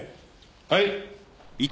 はい。